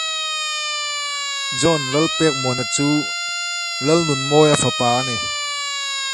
To the locals the island is considered sacred due to the two seas meeting.